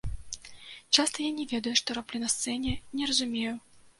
Часта я не ведаю, што раблю на сцэне, не разумею.